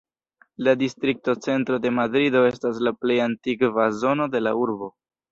La distrikto Centro de Madrido estas la plej antikva zono de la urbo.